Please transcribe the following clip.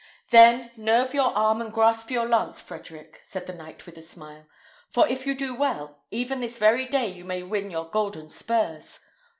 "Then, nerve your arm and grasp your lance, Frederick," said the knight with a smile; "for if you do well, even this very day you may win your golden spurs.